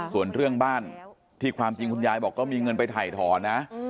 ส่วนเรื่องบ้านที่ความจริงคุณยายบอกก็มีเงินไปถ่ายถอนนะ